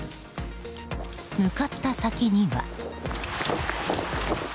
向かった先には。